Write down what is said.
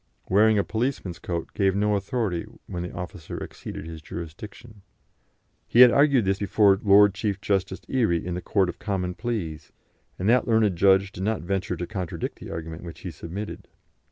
Wearing a policeman's coat gave no authority when the officer exceeded his jurisdiction. He had argued this before Lord Chief Justice Erie in the Court of Common Pleas, and that learned judge did not venture to contradict the argument which he submitted.